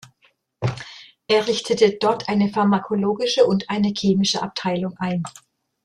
Er richtete dort eine pharmakologische und eine chemische Abteilung ein.